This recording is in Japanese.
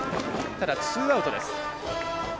ただ、ツーアウトです。